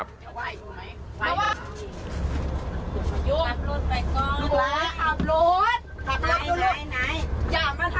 ขับรถอย่ามาทำตรงนี้น้๋วน้๋วขับรถขับรถตรงนี้มาขับรถ